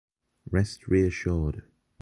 Rest reassured.